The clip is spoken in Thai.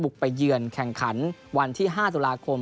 ไปเยือนแข่งขันวันที่๕ตุลาคม